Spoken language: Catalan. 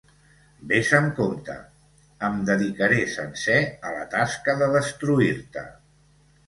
Ves amb compte: em dedicaré sencer a la tasca de destruir-te.